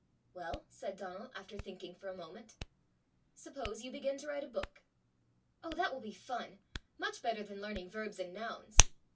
"Well," said Donal, after thinking for a moment, "suppose you begin to write a book!" "Oh, that will be fun! much better than learning verbs and nouns!"